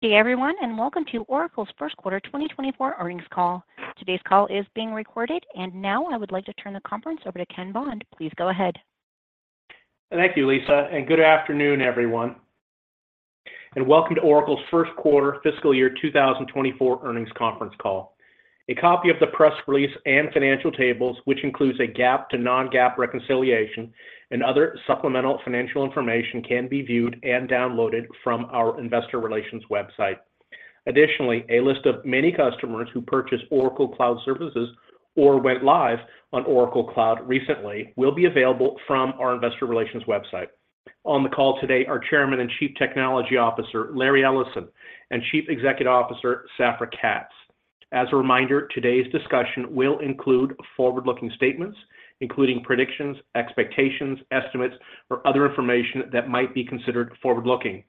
Hey, everyone, and welcome to Oracle's first quarter 2024 earnings call. Today's call is being recorded, and now I would like to turn the conference over to Ken Bond. Please go ahead. Thank you, Lisa, and good afternoon, everyone, and welcome to Oracle's first quarter fiscal year 2024 earnings conference call. A copy of the press release and financial tables, which includes a GAAP to non-GAAP reconciliation and other supplemental financial information, can be viewed and downloaded from our investor relations website. Additionally, a list of many customers who purchased Oracle Cloud Services or went live on Oracle Cloud recently will be available from our investor relations website. On the call today, are Chairman and Chief Technology Officer, Larry Ellison, and Chief Executive Officer, Safra Catz. As a reminder, today's discussion will include forward-looking statements, including predictions, expectations, estimates, or other information that might be considered forward-looking.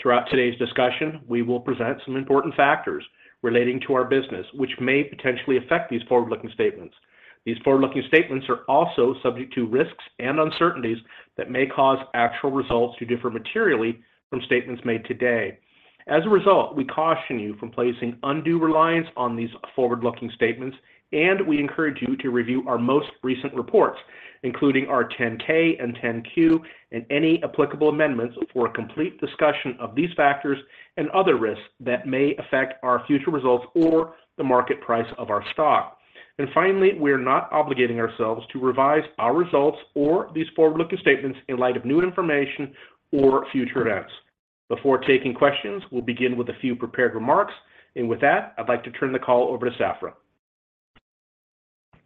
Throughout today's discussion, we will present some important factors relating to our business, which may potentially affect these forward-looking statements. These forward-looking statements are also subject to risks and uncertainties that may cause actual results to differ materially from statements made today. As a result, we caution you from placing undue reliance on these forward-looking statements, and we encourage you to review our most recent reports, including our Form 10-K and Form 10-Q, and any applicable amendments for a complete discussion of these factors and other risks that may affect our future results or the market price of our stock. And finally, we are not obligating ourselves to revise our results or these forward-looking statements in light of new information or future events. Before taking questions, we'll begin with a few prepared remarks, and with that, I'd like to turn the call over to Safra.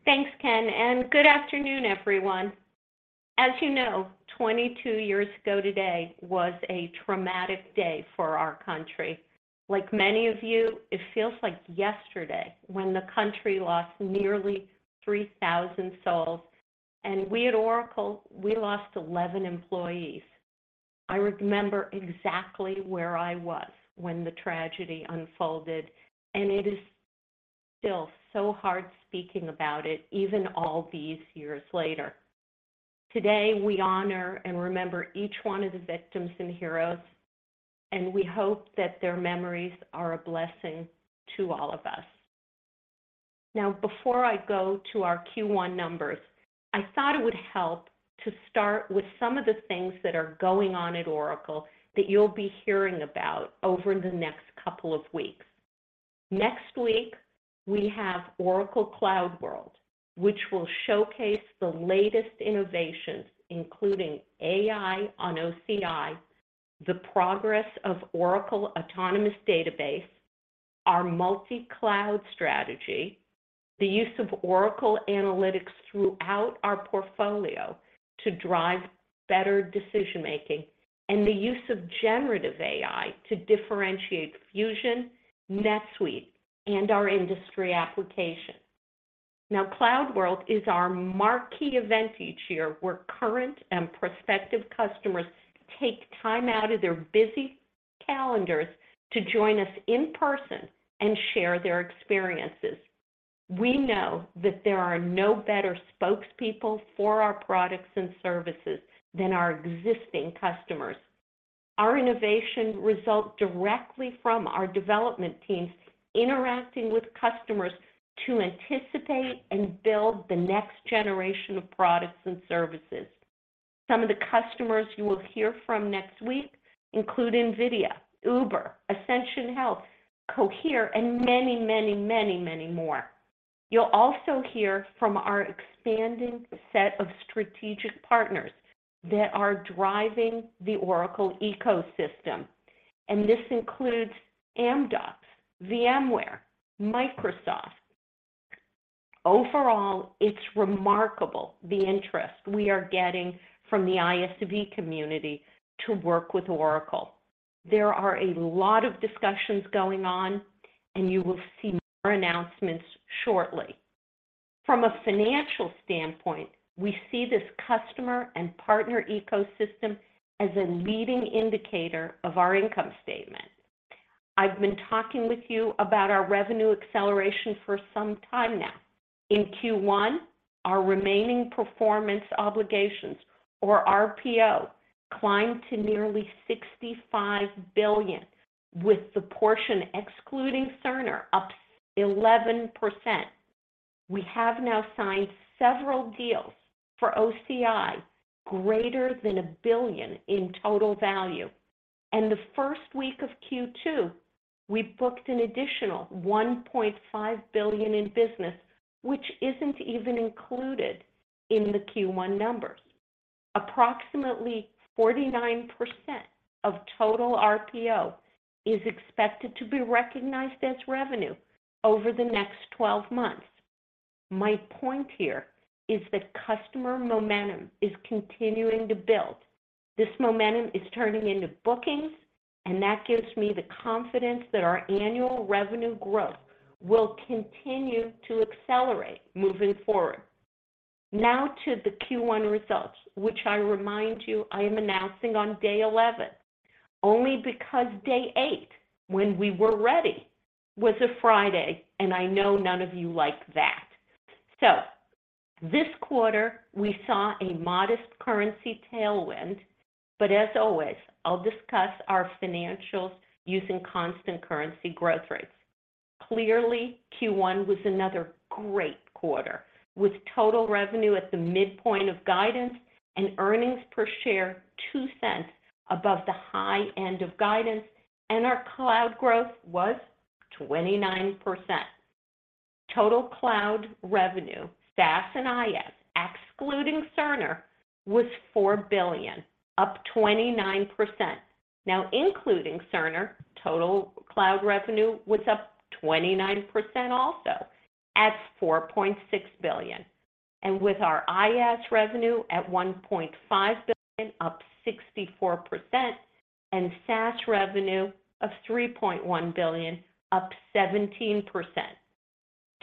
Thanks, Ken, and good afternoon, everyone. As you know, 22 years ago today was a traumatic day for our country. Like many of you, it feels like yesterday when the country lost nearly 3,000 souls, and we at Oracle, we lost 11 employees. I remember exactly where I was when the tragedy unfolded, and it is still so hard speaking about it, even all these years later. Today, we honor and remember each one of the victims and heroes, and we hope that their memories are a blessing to all of us. Now, before I go to our Q1 numbers, I thought it would help to start with some of the things that are going on at Oracle that you'll be hearing about over the next couple of weeks. Next week, we have Oracle CloudWorld, which will showcase the latest innovations, including AI on OCI, the progress of Oracle Autonomous Database, our multi-cloud strategy, the use of Oracle Analytics throughout our portfolio to drive better decision-making, and the use of generative AI to differentiate Fusion, NetSuite, and our industry applications. Now, CloudWorld is our marquee event each year, where current and prospective customers take time out of their busy calendars to join us in person and share their experiences. We know that there are no better spokespeople for our products and services than our existing customers. Our innovation result directly from our development teams interacting with customers to anticipate and build the next generation of products and services. Some of the customers you will hear from next week include NVIDIA, Uber, Ascension Health, Cohere, and many, many, many, many more. You'll also hear from our expanding set of strategic partners that are driving the Oracle ecosystem, and this includes Amdocs, VMware, Microsoft. Overall, it's remarkable the interest we are getting from the ISV community to work with Oracle. There are a lot of discussions going on, and you will see more announcements shortly. From a financial standpoint, we see this customer and partner ecosystem as a leading indicator of our income statement. I've been talking with you about our revenue acceleration for some time now. In Q1, our remaining performance obligations, or RPO, climbed to nearly $65 billion, with the portion excluding Cerner up 11%. We have now signed several deals for OCI, greater than $1 billion in total value, and the first week of Q2, we booked an additional $1.5 billion in business, which isn't even included in the Q1 numbers. Approximately 49% of total RPO is expected to be recognized as revenue over the next 12 months. My point here is that customer momentum is continuing to build. This momentum is turning into bookings, and that gives me the confidence that our annual revenue growth will continue to accelerate moving forward. Now to the Q1 results, which I remind you, I am announcing on day 11, only because day eight, when we were ready, was a Friday, and I know none of you like that... So this quarter, we saw a modest currency tailwind, but as always, I'll discuss our financials using constant currency growth rates. Clearly, Q1 was another great quarter, with total revenue at the midpoint of guidance and earnings per share $0.02 above the high end of guidance, and our cloud growth was 29%. Total cloud revenue, SaaS and IaaS, excluding Cerner, was $4 billion, up 29%. Now, including Cerner, total cloud revenue was up 29% also, at $4.6 billion. And with our IaaS revenue at $1.5 billion, up 64%, and SaaS revenue of $3.1 billion, up 17%.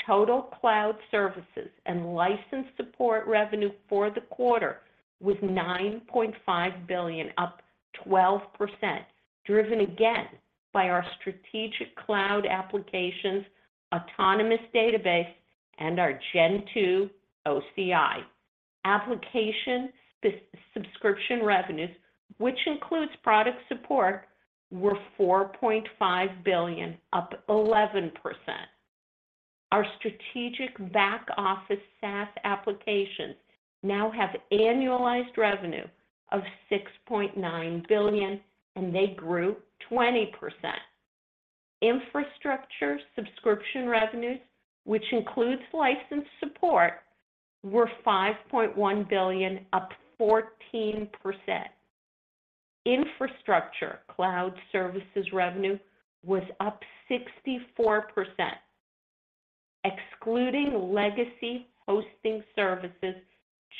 Total cloud services and license support revenue for the quarter was $9.5 billion, up 12%, driven again by our strategic cloud applications, Autonomous Database, and our Gen 2 OCI. Application subscription revenues, which includes product support, were $4.5 billion, up 11%. Our strategic back-office SaaS applications now have annualized revenue of $6.9 billion, and they grew 20%. Infrastructure subscription revenues, which includes license support, were $5.1 billion, up 14%. Infrastructure cloud services revenue was up 64%. Excluding legacy hosting services,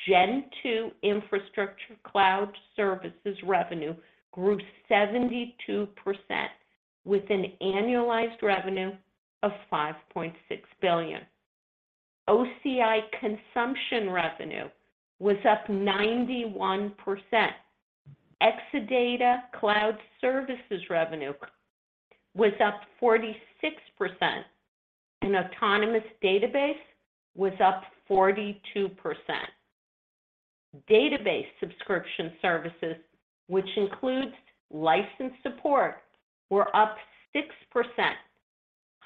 Gen 2 infrastructure cloud services revenue grew 72% with an annualized revenue of $5.6 billion. OCI consumption revenue was up 91%. Exadata Cloud Services revenue was up 46%, and Autonomous Database was up 42%. Database subscription services, which includes license support, were up 6%,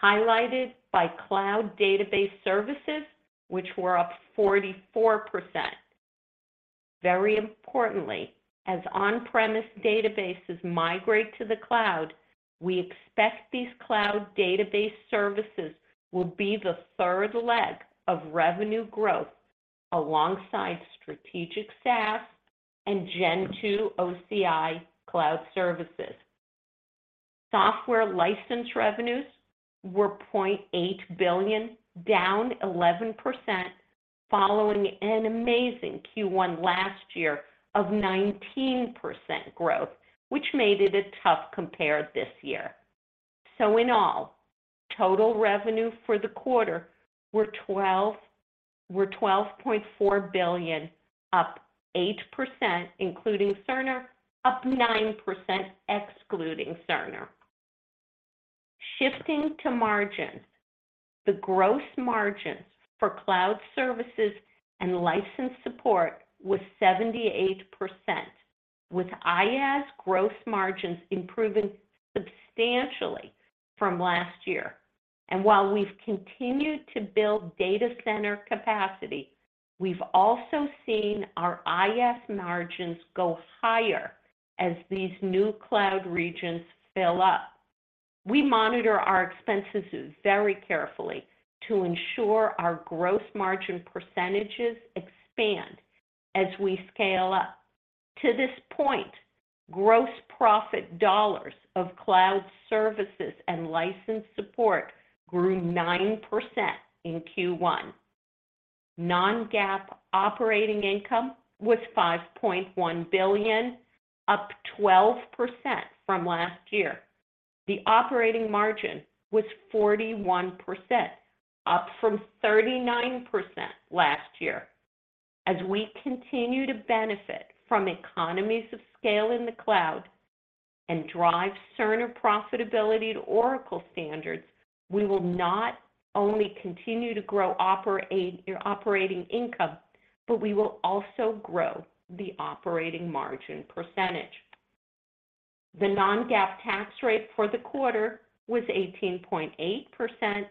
highlighted by cloud database services, which were up 44%. Very importantly, as on-premise databases migrate to the cloud, we expect these cloud database services will be the third leg of revenue growth alongside strategic SaaS and Gen 2 OCI Cloud Services. Software license revenues were $0.8 billion, down 11%, following an amazing Q1 last year of 19% growth, which made it a tough compare this year. So in all, total revenue for the quarter were $12.4 billion, up 8%, including Cerner, up 9%, excluding Cerner. Shifting to margins, the gross margins for cloud services and license support was 78%, with IaaS gross margins improving substantially from last year. And while we've continued to build data center capacity, we've also seen our IaaS margins go higher as these new cloud regions fill up. We monitor our expenses very carefully to ensure our gross margin percentages expand as we scale up. To this point, gross profit dollars of cloud services and license support grew 9% in Q1. Non-GAAP operating income was $5.1 billion, up 12% from last year. The operating margin was 41%, up from 39% last year. As we continue to benefit from economies of scale in the cloud and drive Cerner profitability to Oracle standards, we will not only continue to grow operating income, but we will also grow the operating margin percentage. The non-GAAP tax rate for the quarter was 18.8%,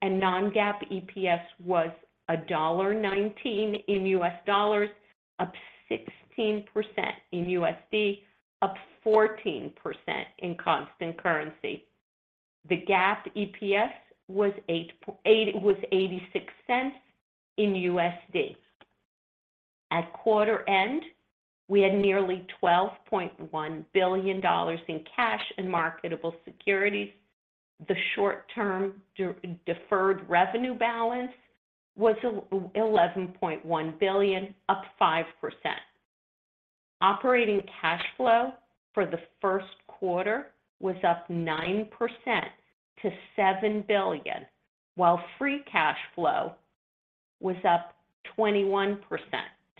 and non-GAAP EPS was $1.19 in U.S. dollars, up 16% in USD, up 14% in constant currency. The GAAP EPS was eighty-six cents in USD. At quarter end, we had nearly $12.1 billion in cash and marketable securities. The short-term deferred revenue balance was $11.1 billion, up 5%. Operating cash flow for the first quarter was up 9% to $7 billion, while free cash flow was up 21%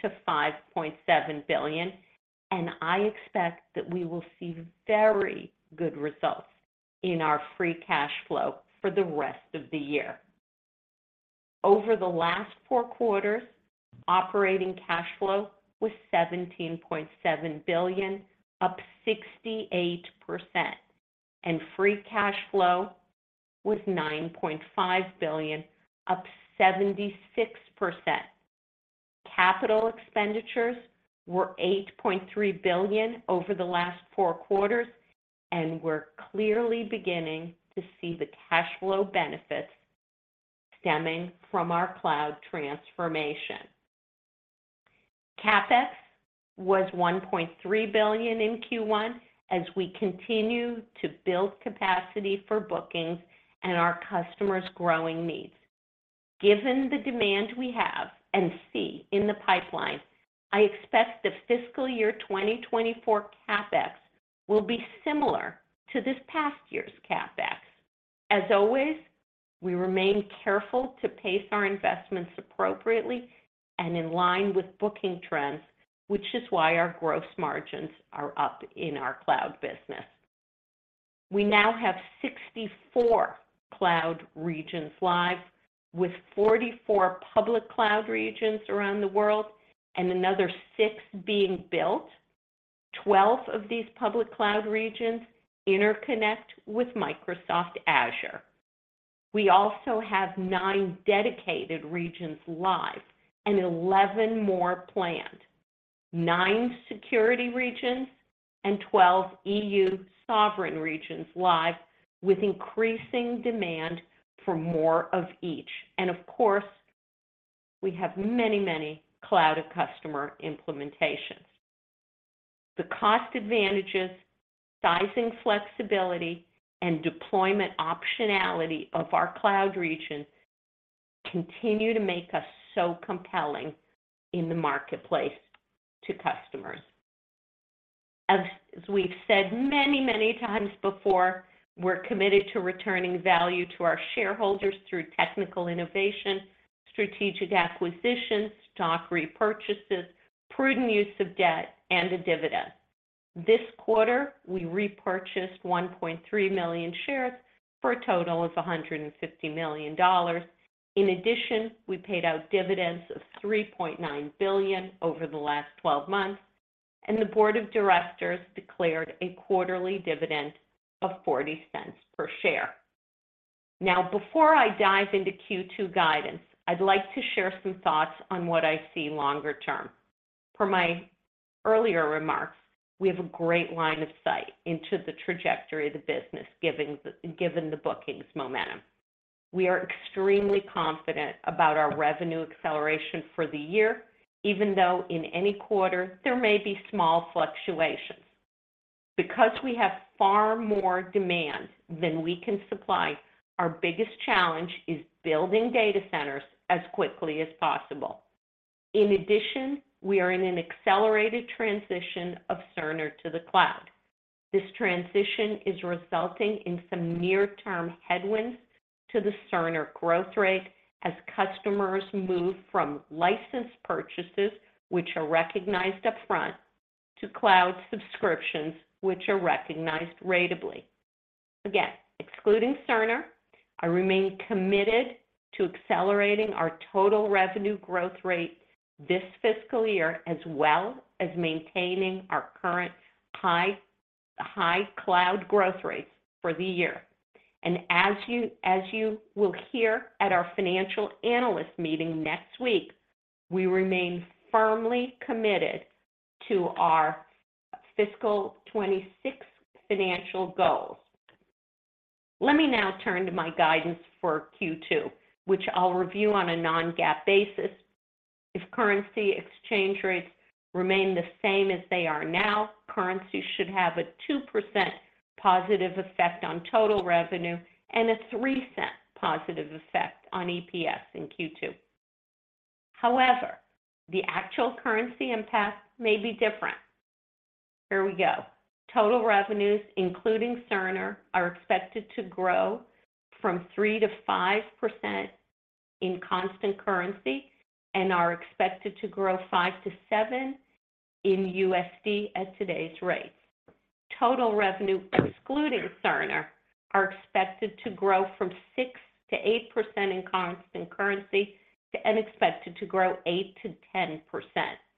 to $5.7 billion, and I expect that we will see very good results in our free cash flow for the rest of the year. Over the last four quarters, operating cash flow was $17.7 billion, up 68%, and free cash flow was $9.5 billion, up 76%. Capital expenditures were $8.3 billion over the last four quarters, and we're clearly beginning to see the cash flow benefits stemming from our cloud transformation. CapEx was $1.3 billion in Q1 as we continue to build capacity for bookings and our customers' growing needs. Given the demand we have and see in the pipeline, I expect the fiscal year 2024 CapEx will be similar to this past year's CapEx. As always, we remain careful to pace our investments appropriately and in line with booking trends, which is why our gross margins are up in our cloud business. We now have 64 cloud regions live, with 44 public cloud regions around the world and another six being built. 12 of these public cloud regions interconnect with Microsoft Azure. We also have nine dedicated regions live and 11 more planned, nine security regions, and 12 EU sovereign regions live with increasing demand for more of each. Of course, we have many, many cloud customer implementations. The cost advantages, sizing, flexibility, and deployment optionality of our cloud region continue to make us so compelling in the marketplace to customers. As, as we've said many, many times before, we're committed to returning value to our shareholders through technical innovation, strategic acquisitions, stock repurchases, prudent use of debt, and a dividend. This quarter, we repurchased 1.3 million shares for a total of $150 million. In addition, we paid out dividends of $3.9 billion over the last 12 months, and the board of directors declared a quarterly dividend of $0.40 per share. Now, before I dive into Q2 guidance, I'd like to share some thoughts on what I see longer term. Per my earlier remarks, we have a great line of sight into the trajectory of the business, given the bookings momentum. We are extremely confident about our revenue acceleration for the year, even though in any quarter there may be small fluctuations. Because we have far more demand than we can supply, our biggest challenge is building data centers as quickly as possible. In addition, we are in an accelerated transition of Cerner to the cloud. This transition is resulting in some near-term headwinds to the Cerner growth rate as customers move from licensed purchases, which are recognized upfront, to cloud subscriptions, which are recognized ratably. Again, excluding Cerner, I remain committed to accelerating our total revenue growth rate this fiscal year, as well as maintaining our current high, high cloud growth rates for the year. And as you, as you will hear at our financial analyst meeting next week, we remain firmly committed to our fiscal 2026 financial goals. Let me now turn to my guidance for Q2, which I'll review on a non-GAAP basis. If currency exchange rates remain the same as they are now, currency should have a 2% positive effect on total revenue and a $0.03 positive effect on EPS in Q2. However, the actual currency impact may be different. Here we go. Total revenues, including Cerner, are expected to grow 3% to 5% in constant currency and are expected to grow 5% to 7% in USD at today's rates. Total revenue, excluding Cerner, is expected to grow 6% to 8% in constant currency and expected to grow 8% to 10%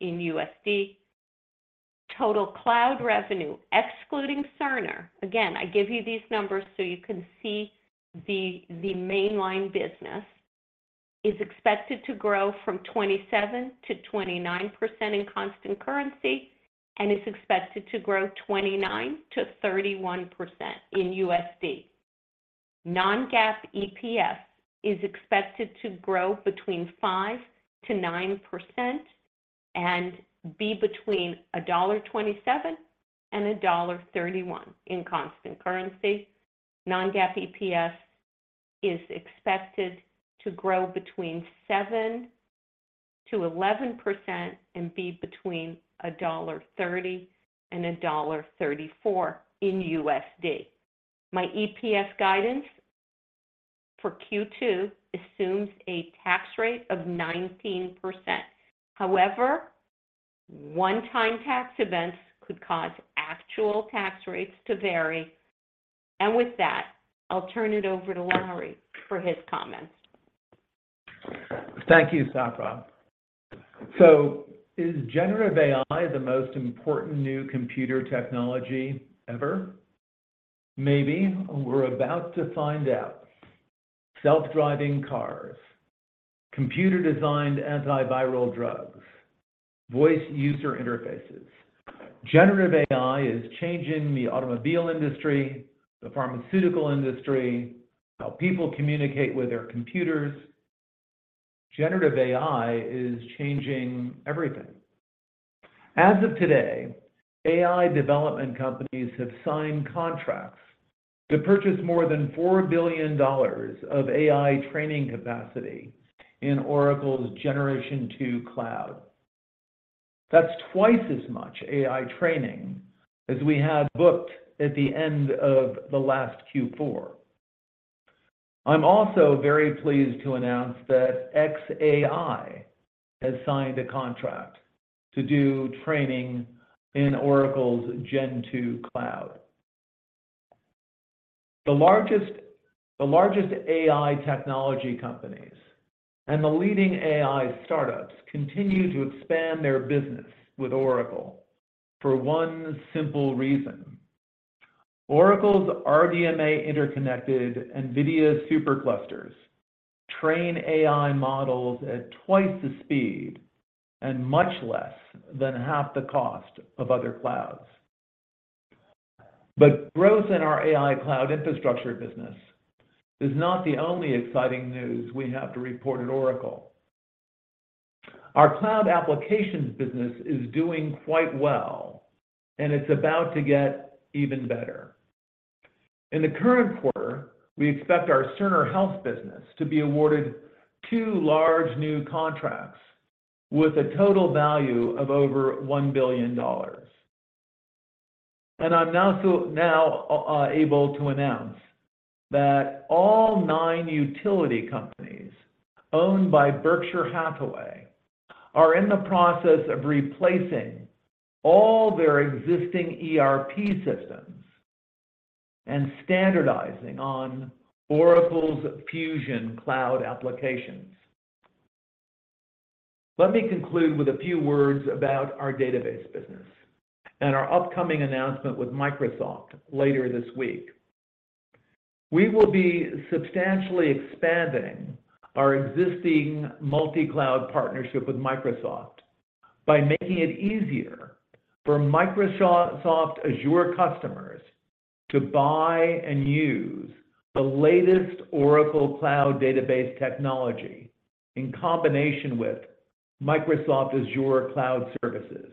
in USD. Total cloud revenue excluding Cerner, again, I give you these numbers so you can see the mainline business, is expected to grow 27% to 29% in constant currency and is expected to grow 29% to 31% in USD. Non-GAAP EPS is expected to grow between 5% to 9% and be between $1.27 and $1.31 in constant currency. Non-GAAP EPS is expected to grow between 7% to 11% and be between $1.30 and $1.34 in USD. My EPS guidance for Q2 assumes a tax rate of 19%. However, one-time tax events could cause actual tax rates to vary. With that, I'll turn it over to Larry for his comments. Thank you, Safra. So is generative AI the most important new computer technology ever? Maybe. We're about to find out. Self-driving cars, computer-designed antiviral drugs, voice user interfaces. Generative AI is changing the automobile industry, the pharmaceutical industry, how people communicate with their computers. Generative AI is changing everything. As of today, AI development companies have signed contracts to purchase more than $4 billion of AI training capacity in Oracle's Gen 2 Cloud. That's twice as much AI training as we had booked at the end of the last Q4. I'm also very pleased to announce that xAI has signed a contract to do training in Oracle's Gen 2 Cloud. The largest, the largest AI technology companies and the leading AI startups continue to expand their business with Oracle for one simple reason. Oracle's RDMA interconnected NVIDIA superclusters train AI models at twice the speed and much less than half the cost of other clouds. But growth in our AI cloud infrastructure business is not the only exciting news we have to report at Oracle. Our cloud applications business is doing quite well, and it's about to get even better. In the current quarter, we expect our Cerner Health business to be awarded two large new contracts with a total value of over $1 billion. And I'm now able to announce that all nine utility companies owned by Berkshire Hathaway are in the process of replacing all their existing ERP systems and standardizing on Oracle's Fusion Cloud applications. Let me conclude with a few words about our database business and our upcoming announcement with Microsoft later this week. We will be substantially expanding our existing multi-cloud partnership with Microsoft by making it easier for Microsoft Azure customers to buy and use the latest Oracle Cloud database technology in combination with Microsoft Azure Cloud Services.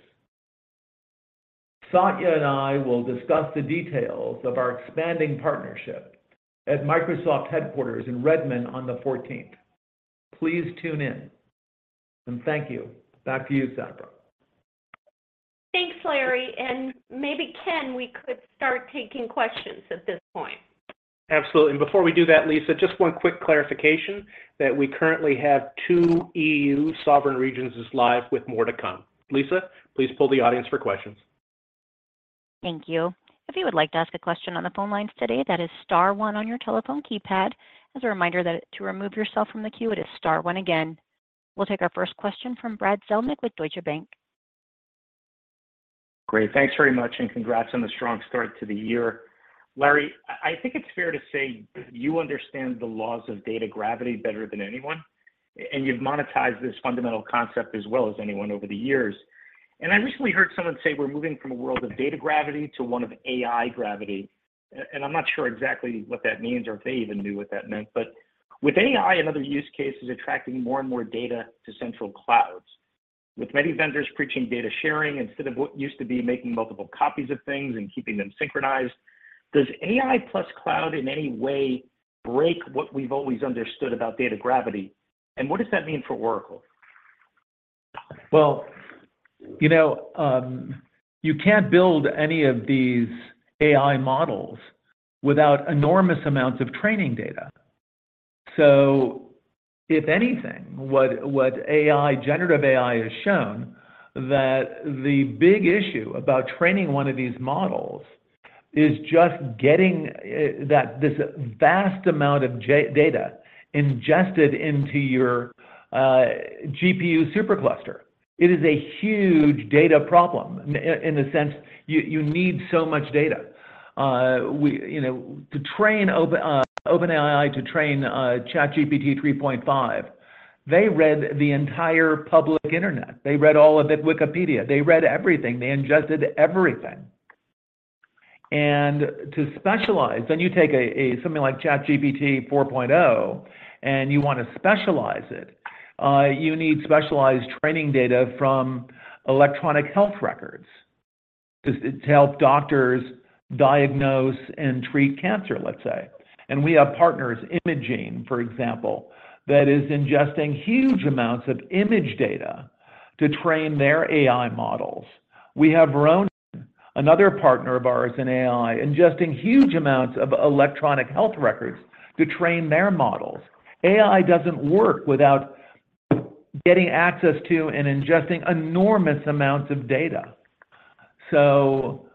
Satya and I will discuss the details of our expanding partnership at Microsoft headquarters in Redmond on the fourteenth. Please tune in, and thank you. Back to you, Safra. Thanks, Larry, and maybe, Ken, we could start taking questions at this point. Absolutely. Before we do that, Lisa, just one quick clarification, that we currently have two EU sovereign regions is live with more to come. Lisa, please pull the audience for questions. Thank you. If you would like to ask a question on the phone lines today, that is star one on your telephone keypad. As a reminder that to remove yourself from the queue, it is star one again. We'll take our first question from Brad Zelnick with Deutsche Bank. Great. Thanks very much, and congrats on the strong start to the year. Larry, I think it's fair to say you understand the laws of data gravity better than anyone, and you've monetized this fundamental concept as well as anyone over the years. And I recently heard someone say we're moving from a world of data gravity to one of AI gravity, and I'm not sure exactly what that means or if they even knew what that meant. But with AI and other use cases attracting more and more data to central clouds, with many vendors preaching data sharing instead of what used to be making multiple copies of things and keeping them synchronized, does AI plus cloud in any way break what we've always understood about data gravity? And what does that mean for Oracle? Well, you know, you can't build any of these AI models without enormous amounts of training data. So if anything, what AI, generative AI has shown that the big issue about training one of these models is just getting that-- this vast amount of data ingested into your GPU supercluster. It is a huge data problem in a sense, you need so much data. We, you know, to train OpenAI, to train ChatGPT 3.5, they read the entire public internet. They read all of it, Wikipedia, they read everything, they ingested everything. And to specialize, then you take a something like ChatGPT 4.0, and you want to specialize it, you need specialized training data from electronic health records to help doctors diagnose and treat cancer, let's say. We have partners, Imagen, for example, that is ingesting huge amounts of image data... to train their AI models. We have Verana, another partner of ours in AI, ingesting huge amounts of electronic health records to train their models. AI doesn't work without getting access to and ingesting enormous amounts of data. So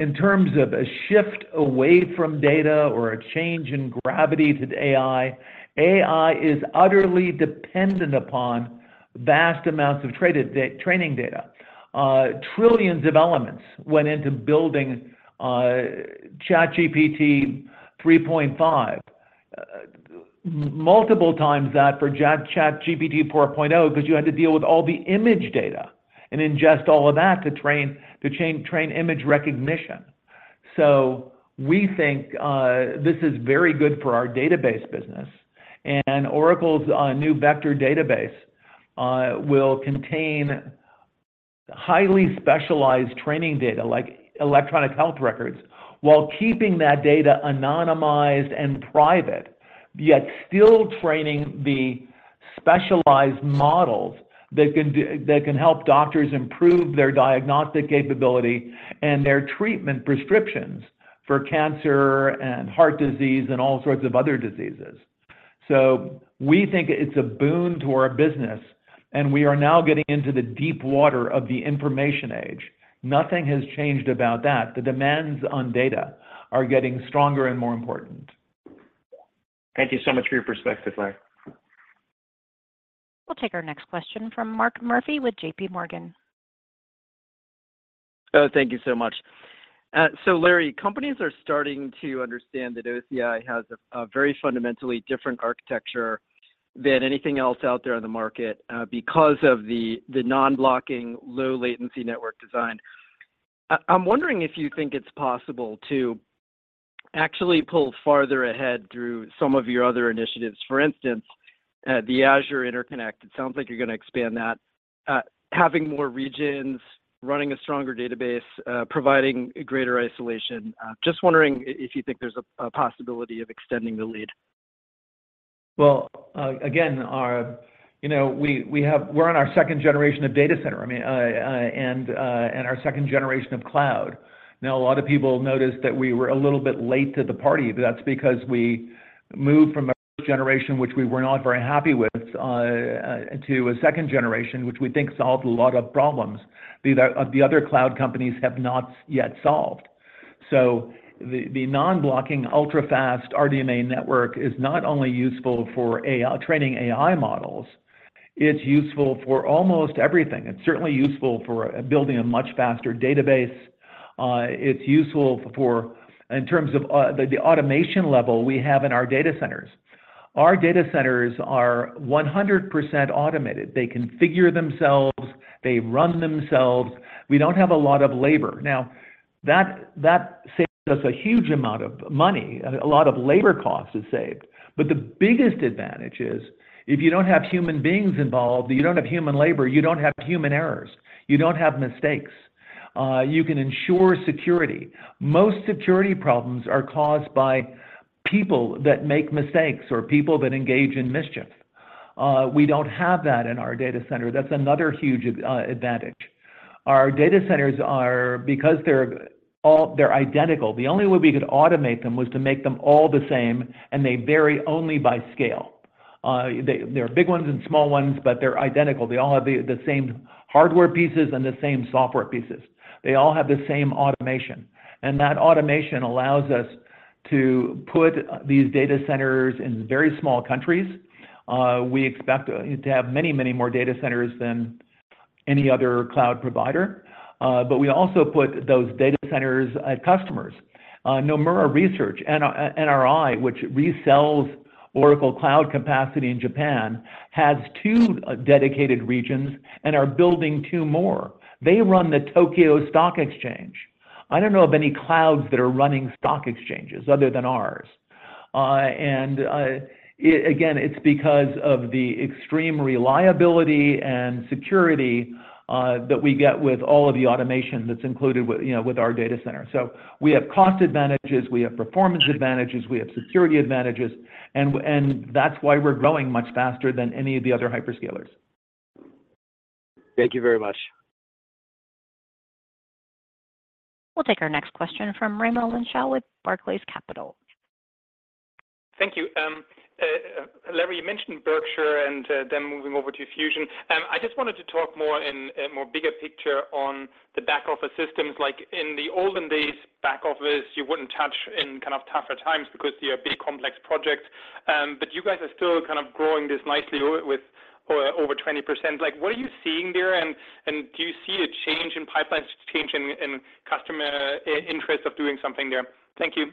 in terms of a shift away from data or a change in gravity to the AI, AI is utterly dependent upon vast amounts of training data. Trillions of elements went into building ChatGPT 3.5. Multiple times that for ChatGPT 4.0, 'cause you had to deal with all the image data and ingest all of that to train image recognition. So we think this is very good for our database business, and Oracle's new vector database will contain highly specialized training data like electronic health records, while keeping that data anonymized and private, yet still training the specialized models that can help doctors improve their diagnostic capability and their treatment prescriptions for cancer and heart disease and all sorts of other diseases. So we think it's a boon to our business, and we are now getting into the deep water of the information age. Nothing has changed about that. The demands on data are getting stronger and more important. Thank you so much for your perspective, Larry. We'll take our next question from Mark Murphy with J.P. Morgan. Oh, thank you so much. So Larry, companies are starting to understand that OCI has a very fundamentally different architecture than anything else out there on the market, because of the non-blocking, low latency network design. I'm wondering if you think it's possible to actually pull farther ahead through some of your other initiatives. For instance, the Azure Interconnect, it sounds like you're gonna expand that, having more regions, running a stronger database, providing greater isolation. Just wondering if you think there's a possibility of extending the lead? Well, again, our... You know, we have-- we're on our second generation of data center. I mean, and our second generation of cloud. Now, a lot of people noticed that we were a little bit late to the party, but that's because we moved from a first generation, which we were not very happy with, to a second generation, which we think solved a lot of problems, the other cloud companies have not yet solved. So the non-blocking, ultra-fast RDMA network is not only useful for AI, training AI models, it's useful for almost everything. It's certainly useful for building a much faster database. It's useful for, in terms of, the automation level we have in our data centers. Our data centers are 100% automated. They configure themselves, they run themselves. We don't have a lot of labor. Now, that saves us a huge amount of money. A lot of labor cost is saved. But the biggest advantage is, if you don't have human beings involved, you don't have human labor, you don't have human errors, you don't have mistakes. You can ensure security. Most security problems are caused by people that make mistakes or people that engage in mischief. We don't have that in our data center. That's another huge advantage. Our data centers are, because they're all identical, the only way we could automate them was to make them all the same, and they vary only by scale. There are big ones and small ones, but they're identical. They all have the same hardware pieces and the same software pieces. They all have the same automation, and that automation allows us to put these data centers in very small countries. We expect to have many, many more data centers than any other cloud provider, but we also put those data centers at customers. Nomura Research Institute, NRI, which resells Oracle Cloud capacity in Japan, has two dedicated regions and are building two more. They run the Tokyo Stock Exchange. I don't know of any clouds that are running stock exchanges other than ours. And again, it's because of the extreme reliability and security that we get with all of the automation that's included with, you know, with our data center. So we have cost advantages, we have performance advantages, we have security advantages, and that's why we're growing much faster than any of the other hyperscalers. Thank you very much. We'll take our next question from Raimo Lenschow with Barclays Capital. Thank you. Larry, you mentioned Berkshire and, then moving over to Fusion. I just wanted to talk more in a more bigger picture on the back office systems. Like, in the olden days, back office, you wouldn't touch in kind of tougher times because they are big, complex projects, but you guys are still kind of growing this nicely with over 20%. Like, what are you seeing there, and, and do you see a change in pipelines, change in, in customer interest of doing something there? Thank you.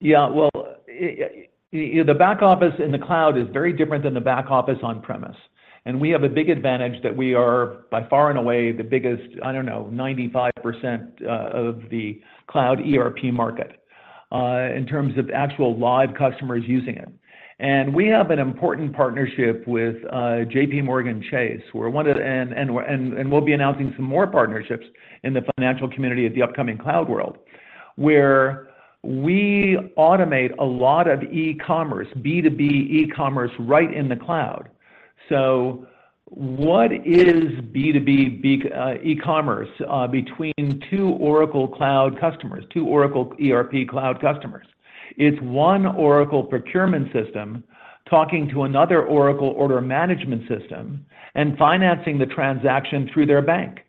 Yeah, well, the back office in the cloud is very different than the back office on premise, and we have a big advantage that we are, by far and away, the biggest, I don't know, 95% of the cloud ERP market, in terms of actual live customers using it. And we have an important partnership with JPMorgan Chase. We're one of and we'll be announcing some more partnerships in the financial community at the upcoming Cloud World, where we automate a lot of e-commerce, B2B e-commerce, right in the cloud. So what is B2B, B, e-commerce, between two Oracle Cloud customers, two Oracle ERP Cloud customers? It's one Oracle procurement system talking to another Oracle order management system and financing the transaction through their bank.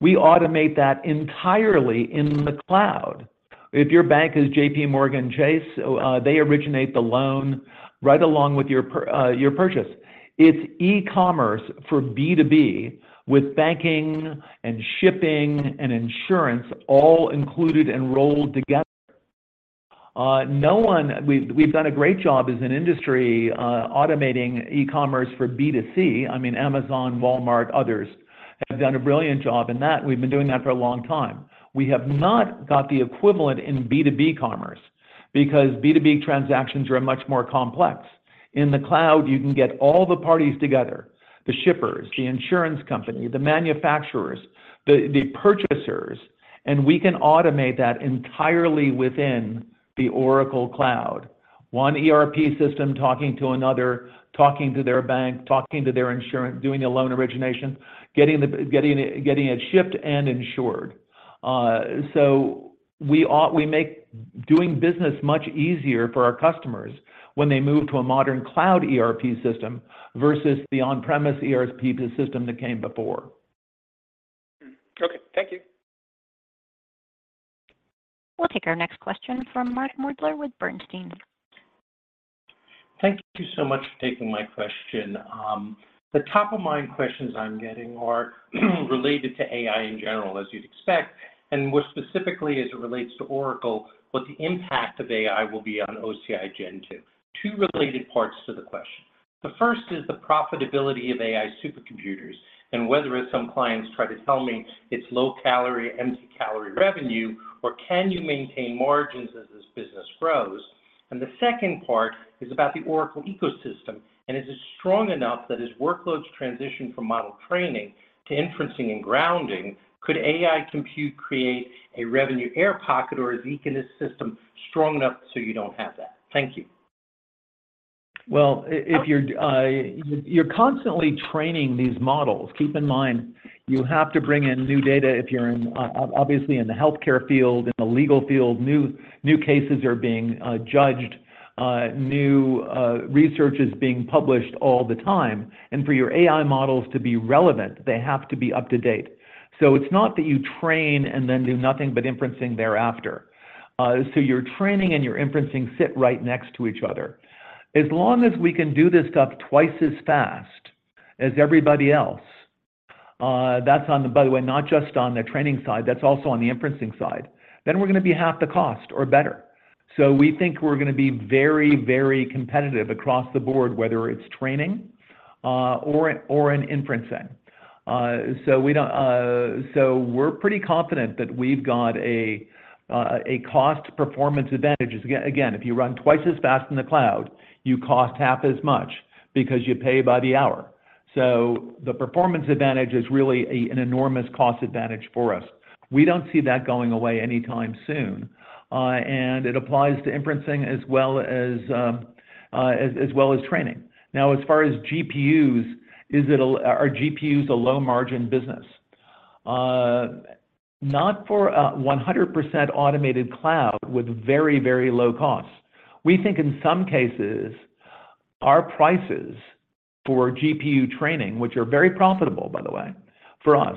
We automate that entirely in the cloud. If your bank is JPMorgan Chase, they originate the loan right along with your purchase. It's e-commerce for B2B with banking and shipping and insurance all included and rolled together. No one. We've done a great job as an industry, automating e-commerce for B2C. I mean, Amazon, Walmart, others have done a brilliant job in that, and we've been doing that for a long time. We have not got the equivalent in B2B commerce because B2B transactions are much more complex. In the cloud, you can get all the parties together, the shippers, the insurance company, the manufacturers, the purchasers, and we can automate that entirely within the Oracle Cloud. One ERP system talking to another, talking to their bank, talking to their insurance, doing a loan origination, getting it shipped and insured. We make doing business much easier for our customers when they move to a modern cloud ERP system versus the on-premise ERP system that came before. Hmm. Okay. Thank you. We'll take our next question from Mark Moerdler with Bernstein. Thank you so much for taking my question. The top-of-mind questions I'm getting are related to AI in general, as you'd expect, and more specifically, as it relates to Oracle, what the impact of AI will be on OCI Gen 2. Two related parts to the question. The first is the profitability of AI supercomputers and whether, as some clients try to tell me, it's low calorie, empty calorie revenue, or can you maintain margins as this business grows? And the second part is about the Oracle ecosystem, and is it strong enough that as workloads transition from model training to inferencing and grounding, could AI Compute create a revenue air pocket, or is the ecosystem strong enough so you don't have that? Thank you. Well, if you're constantly training these models. Keep in mind, you have to bring in new data if you're in, obviously, in the healthcare field, in the legal field, new, new cases are being judged, new research is being published all the time, and for your AI models to be relevant, they have to be up to date. So it's not that you train and then do nothing but inferencing thereafter. So your training and your inferencing sit right next to each other. As long as we can do this stuff twice as fast as everybody else, that's on the... By the way, not just on the training side, that's also on the inferencing side, then we're gonna be half the cost or better. So we think we're gonna be very, very competitive across the board, whether it's training or in inferencing. So we're pretty confident that we've got a cost performance advantage. Again, if you run twice as fast in the cloud, you cost half as much because you pay by the hour. So the performance advantage is really an enormous cost advantage for us. We don't see that going away anytime soon, and it applies to inferencing as well as training. Now, as far as GPUs, are GPUs a low-margin business? Not for a 100% automated cloud with very, very low costs. We think in some cases, our prices for GPU training, which are very profitable, by the way, for us,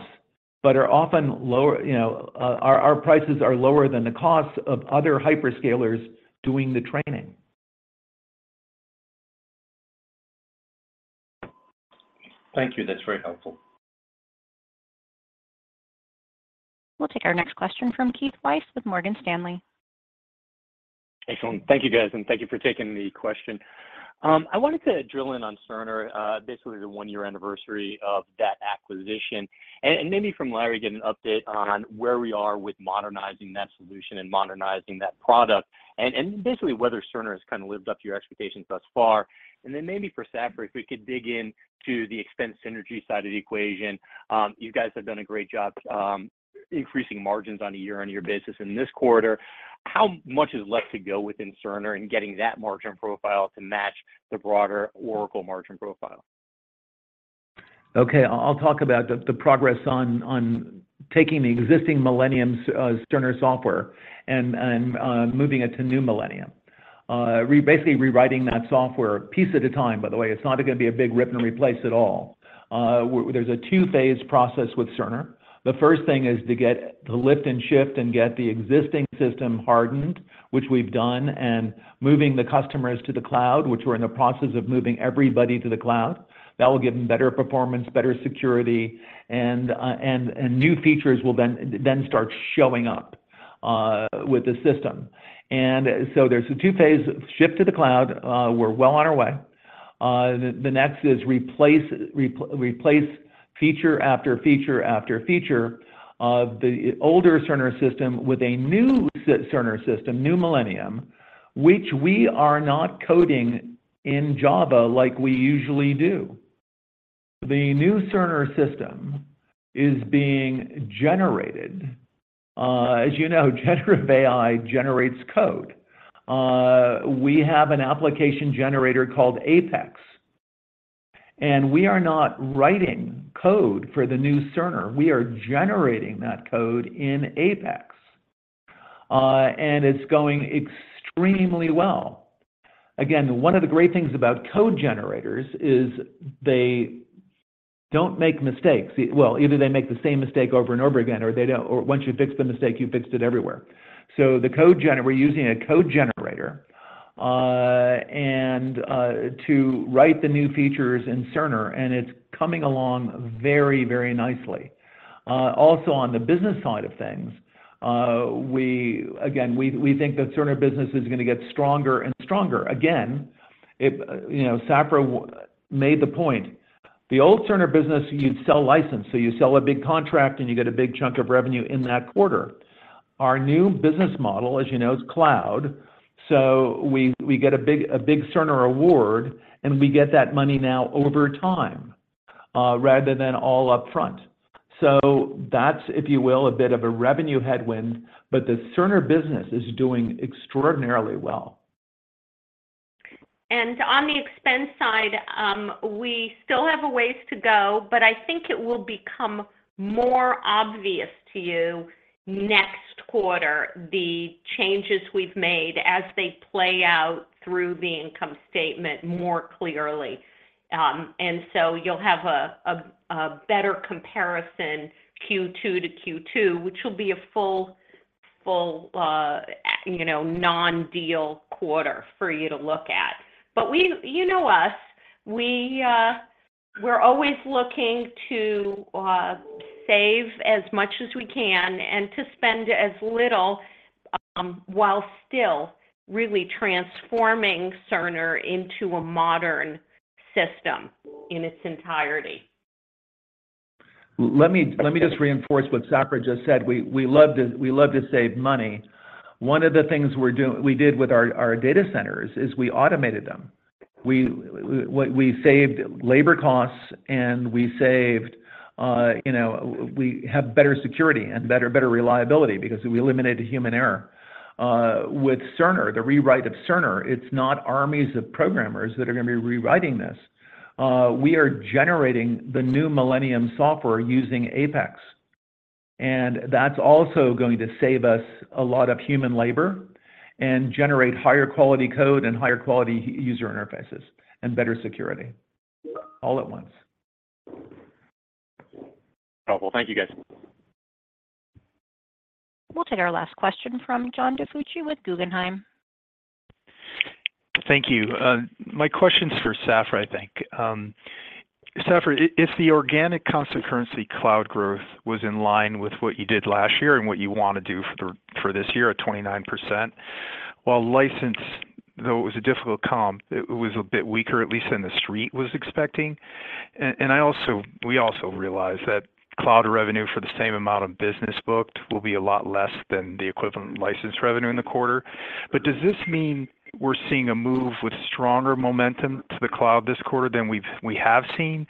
but are often lower, you know, our prices are lower than the cost of other hyperscalers doing the training. Thank you. That's very helpful. We'll take our next question from Keith Weiss with Morgan Stanley. Excellent. Thank you, guys, and thank you for taking the question. I wanted to drill in on Cerner, basically the one-year anniversary of that acquisition, and maybe from Larry, get an update on where we are with modernizing that solution and modernizing that product, and basically whether Cerner has kinda lived up to your expectations thus far. And then maybe for Safra, if we could dig in to the expense synergy side of the equation. You guys have done a great job increasing margins on a year-on-year basis in this quarter. How much is left to go within Cerner in getting that margin profile to match the broader Oracle margin profile? Okay, I'll talk about the progress on taking the existing Millennium Cerner software and moving it to new Millennium. Basically rewriting that software piece at a time, by the way, it's not gonna be a big rip and replace at all. There's a two-phase process with Cerner. The first thing is to get the lift and shift and get the existing system hardened, which we've done, and moving the customers to the cloud, which we're in the process of moving everybody to the cloud. That will give them better performance, better security, and new features will then start showing up with the system. And so there's a two-phase shift to the cloud, we're well on our way. The next is replace feature after feature after feature of the older Cerner system with a new Cerner system, new Millennium, which we are not coding in Java like we usually do. The new Cerner system is being generated. As you know, generative AI generates code. We have an application generator called APEX, and we are not writing code for the new Cerner, we are generating that code in APEX. And it's going extremely well. Again, one of the great things about code generators is they don't make mistakes. Well, either they make the same mistake over and over again, or they don't. Or once you fix the mistake, you fixed it everywhere. So we're using a code generator to write the new features in Cerner, and it's coming along very, very nicely. Also on the business side of things, we, again, we think that Cerner business is gonna get stronger and stronger. Again, if, you know, Safra made the point, the old Cerner business, you'd sell license. So you sell a big contract, and you get a big chunk of revenue in that quarter. Our new business model, as you know, is cloud, so we get a big Cerner award, and we get that money now over time, rather than all upfront. So that's, if you will, a bit of a revenue headwind, but the Cerner business is doing extraordinarily well. On the expense side, we still have a ways to go, but I think it will become more obvious to you next quarter, the changes we've made as they play out through the income statement more clearly. And so you'll have a better comparison, Q2 to Q2, which will be a full you know non-deal quarter for you to look at. But we, you know us, we, we're always looking to save as much as we can and to spend as little, while still really transforming Cerner into a modern system in its entirety. Let me just reinforce what Safra just said. We love to save money. One of the things we did with our data centers is we automated them. We saved labor costs, and we have better security and better reliability because we eliminated human error. With Cerner, the rewrite of Cerner, it's not armies of programmers that are gonna be rewriting this. We are generating the new Millennium software using APEX, and that's also going to save us a lot of human labor and generate higher quality code and higher quality user interfaces and better security, all at once. Oh, well, thank you, guys. We'll take our last question from John DiFucci with Guggenheim. Thank you. My question is for Safra, I think. Safra, if the organic constant currency cloud growth was in line with what you did last year and what you want to do for this year at 29%, while license, though it was a difficult comp, it was a bit weaker, at least than the street was expecting. And I also, we also realize that cloud revenue for the same amount of business booked will be a lot less than the equivalent license revenue in the quarter. But does this mean we're seeing a move with stronger momentum to the cloud this quarter than we've seen?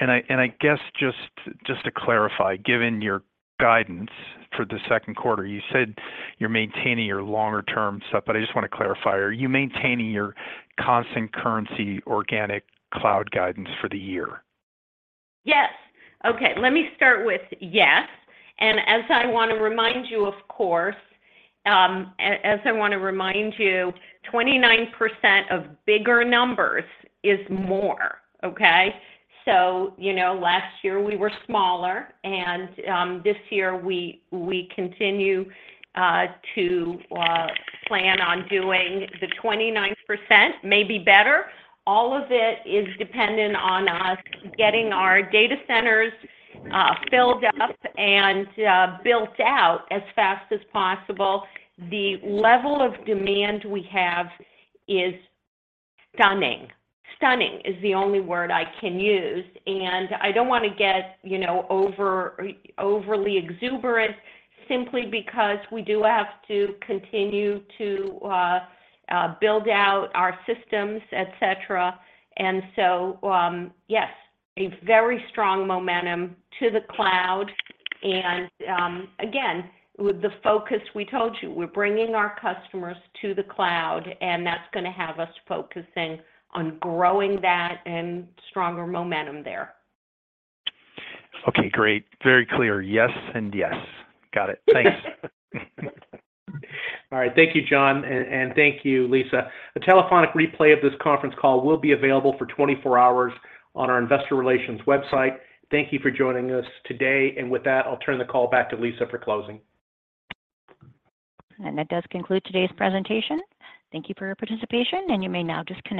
I guess just to clarify, given your guidance for the second quarter, you said you're maintaining your longer-term stuff, but I just want to clarify: Are you maintaining your constant currency organic cloud guidance for the year? Yes. Okay, let me start with yes. And as I want to remind you, of course, 29% of bigger numbers is more, okay? So, you know, last year we were smaller, and this year we continue to plan on doing the 29%, maybe better. All of it is dependent on us getting our data centers filled up and built out as fast as possible. The level of demand we have is stunning. Stunning is the only word I can use, and I don't want to get, you know, overly exuberant simply because we do have to continue to build out our systems, et cetera. Yes, a very strong momentum to the cloud and, again, with the focus we told you, we're bringing our customers to the cloud, and that's gonna have us focusing on growing that and stronger momentum there. Okay, great. Very clear. Yes and yes. Got it. Thanks. All right. Thank you, John, and thank you, Lisa. A telephonic replay of this conference call will be available for 24 hours on our investor relations website. Thank you for joining us today, and with that, I'll turn the call back to Lisa for closing. That does conclude today's presentation. Thank you for your participation, and you may now disconnect.